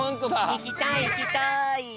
いきたいいきたい！